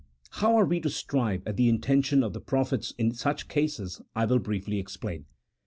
How we are to arrive at the intention of the prophets in such cases I will briefly explain.